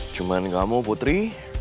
cuman kamu putri